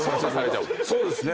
そうですね。